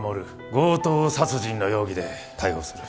強盗殺人の容疑で逮捕する。